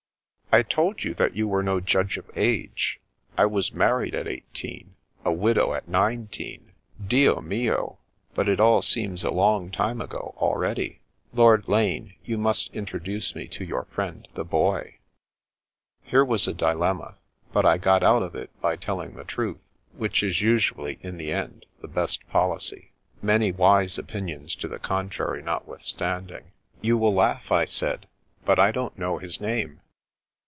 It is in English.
" I told you that you were no judge of age. I was married at eighteen, a widow at nineteen. Dio mio! but it all seems a long time ago, already! Lord Lane, you must introduce to me your friend the boy." Here was a dilemma, but I got out of it by telling the truth, which is usually, in the end, the best policy, many wise opinions to the contrary notwithstand ing. " You will laugh," I said, " but I don't know his name."